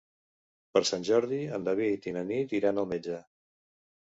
Per Sant Jordi en David i na Nit iran al metge.